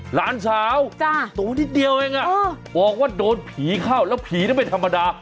หลานสาวตัวนิดเดียวเองบอกว่าโดนผีเข้าแล้วผีนี่ไม่ธรรมดา